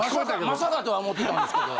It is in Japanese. まさかとは思ってたんですけど。